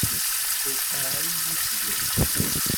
Tewqeɛ-iyi seg-s!